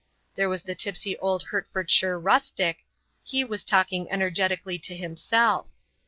There was the tipsy old Hertfordshire rustic; he was talking energetically to himself.